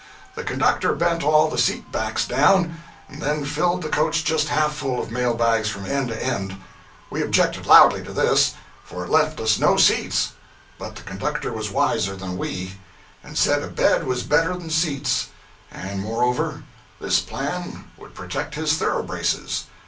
The conductor bent all the seat backs down, and then filled the coach just half full of mail bags from end to end. We objected loudly to this, for it left us no seats. But the conductor was wiser than we, and said a bed was better than seats, and moreover, this plan would protect his thoroughbraces.